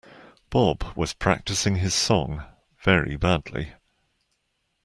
Bob was practising his song, very badly.